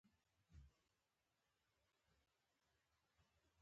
هره لاستهراوړنه د ګډ عمل محصول ده.